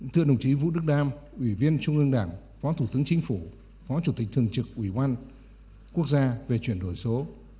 thưa đồng chí vũ đức đam ủy viên trung ương đảng phó thủ tướng chính phủ phó chủ tịch thường trực ủy ban quốc gia về chuyển đổi số